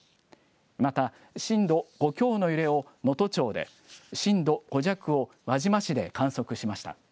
また震度５強の揺れを能登町で、震度５弱を輪島市で観測しました。